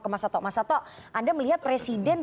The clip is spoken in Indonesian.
ke mas dato mas dato anda melihat presiden